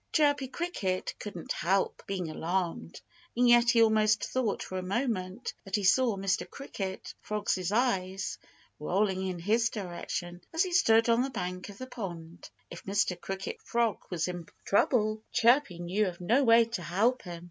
Chirpy Cricket couldn't help being alarmed. And yet he almost thought, for a moment, that he saw Mr. Cricket Frog's eyes rolling in his direction, as he stood on the bank of the pond. If Mr. Cricket Frog was in trouble, Chirpy knew of no way to help him.